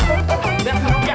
kurang ajar ya